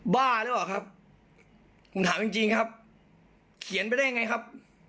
บ้าหรือเปล่าครับผมถามจริงจริงครับเขียนไปได้ยังไงครับ